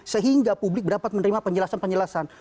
sehingga publik dapat menerima penjelasan penjelasan